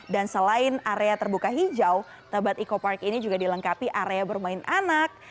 dan selain area terbuka hijau tebet eco park ini juga dilengkapi area bermain anak